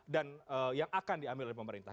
dan yang akan diambil oleh pemerintah